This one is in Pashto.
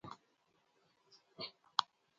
په شا به یې کړې.